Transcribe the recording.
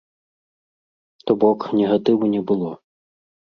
То-бок, негатыву не было.